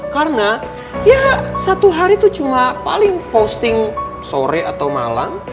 karena ya satu hari tuh cuma paling posting sore atau malam